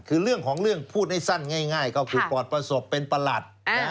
คือเรื่องของเรื่องพูดให้สั้นง่ายก็คือปลอดประสบเป็นประหลัด